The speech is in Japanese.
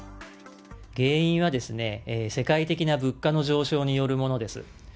原因はですね、世界的な物価の上昇によるものです。